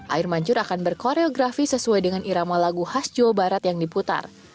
air mancur akan berkoreografi sesuai dengan irama lagu khas jawa barat yang diputar